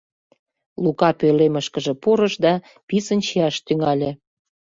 Лука пӧлемышкыже пурыш да писын чияш тӱҥале.